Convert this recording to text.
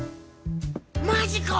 マジか！？